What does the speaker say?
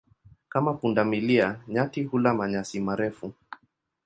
Kama punda milia, nyati hula manyasi marefu.